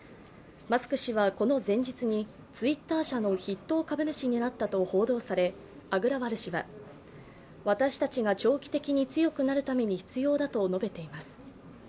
マスク氏はこの前日にツイッター社の筆頭株主になったと報道されアグラワル氏は、私たちが長期的に強くなるために必要だと述べています。